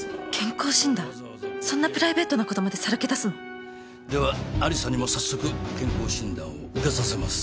そんなプライベートなことまでさらけ出すの？では有沙にも早速健康診断を受けさせます。